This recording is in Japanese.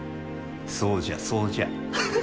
そうじゃそうじゃ。